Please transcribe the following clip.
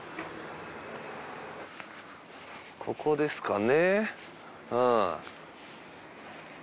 ここですかね？